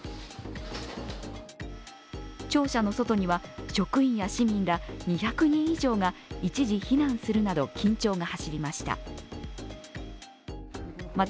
庁舎の外には、職員や市民ら２００人以上が一時避難するなど緊張が走りました。